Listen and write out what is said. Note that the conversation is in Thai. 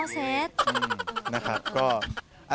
อ๋อเสร็จ